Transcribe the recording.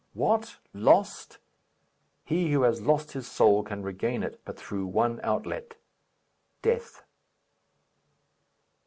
What? lost? He who has lost his soul can regain it but through one outlet death.